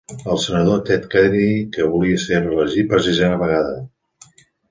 El senador Ted Kennedy, que volia ser reelegit per sisena vegada.